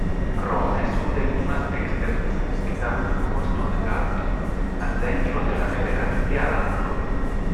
Krome sude limas eksterdistrikta urbo Stutgarto, la centro de la federacia lando.